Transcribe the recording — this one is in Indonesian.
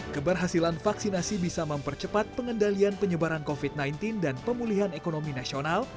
keberhasilan vaksinasi bisa mempercepat pengendalian penyebaran covid sembilan belas dan pemulihan ekonomi nasional